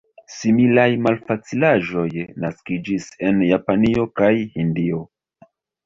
Similaj malfacilaĵoj naskiĝis en Japanio kaj Hindio.